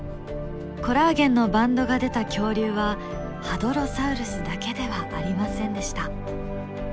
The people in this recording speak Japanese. コラーゲンのバンドが出た恐竜はハドロサウルスだけではありませんでした。